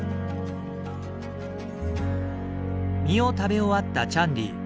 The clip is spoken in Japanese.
実を食べ終わったチャンディー。